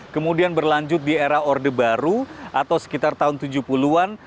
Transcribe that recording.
kemudian berlanjut di era orde baru atau sekitar tahun tujuh puluh an